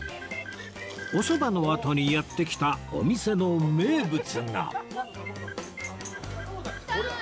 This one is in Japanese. おそばのあとにやって来たお店の名物が来た親子丼！